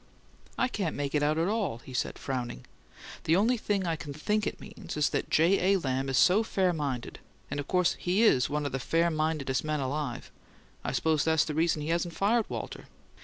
"I can't make it out at all," he said, frowning. "The only thing I can THINK it means is that J. A. Lamb is so fair minded and of course he IS one of the fair mindedest men alive I suppose that's the reason he hasn't fired Walter.